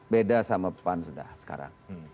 beda sama pan sudah sekarang